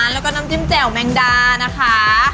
แล้วก็น้ำจิ้มแจ่วแมงดานะคะ